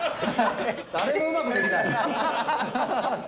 誰もうまくできない。